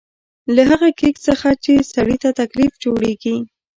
له هغه کېک څخه چې سړي ته تکلیف جوړېږي.